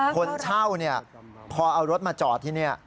คนเช่าพอเอารถมาจอดที่นี่